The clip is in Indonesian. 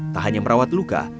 tak hanya merawat luka